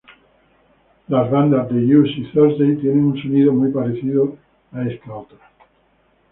Las bandas The Used y Thursday tienen un sonido muy parecido a esta banda.